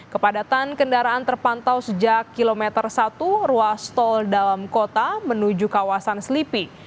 kepadatan kendaraan terpantau sejak kilometer satu ruas tol dalam kota menuju kawasan selipi